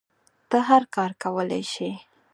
ته هر کار کولی شی